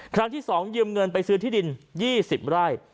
ครั้งที่๒ยืมเงินไปซื้อที่ดิน๒๐ไร่